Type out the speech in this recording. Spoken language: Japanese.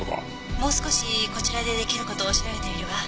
「もう少しこちらで出来る事を調べてみるわ」